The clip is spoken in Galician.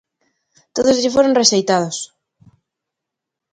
Todos lle foron rexeitados.